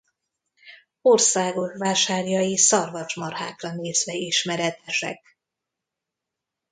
Országos vásárjai szarvasmarhákra nézve ismeretesek.